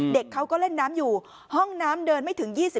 เด็กเขาก็เล่นน้ำอยู่ห้องน้ำเดินไม่ถึง๒๐